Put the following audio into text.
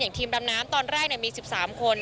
อย่างทีมดำน้ำตอนแรกเนี่ยมี๑๓คน